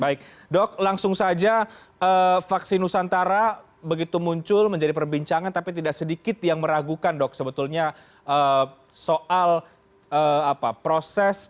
baik dok langsung saja vaksin nusantara begitu muncul menjadi perbincangan tapi tidak sedikit yang meragukan dok sebetulnya soal proses